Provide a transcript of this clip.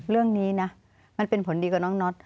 เรื่องนี้นะมันเป็นผลดีกับน้องน็อต